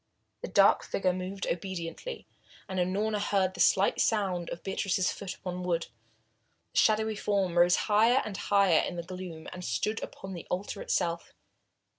The dark figure moved obediently, and Unorna heard the slight sound of Beatrice's foot upon the wood. The shadowy form rose higher and higher in the gloom, and stood upon the altar itself.